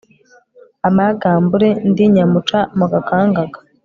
amagambure ndi nyamuca mu gakangaga